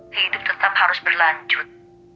hidup tetap harus berlanjut